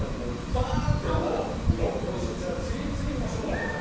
よしじゃあ次もう勝負って感じ？